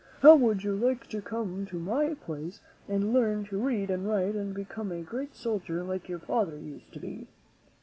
How would you like to come to my palace and learn to read and write and become a great sol dier like your father used to be?"